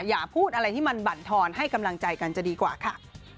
อย่าพูดอะไรที่มันบั่นทอนให้กำลังใจกันจะดีกว่าค่ะ